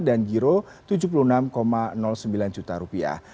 dan giro tujuh puluh enam tujuh miliar rupiah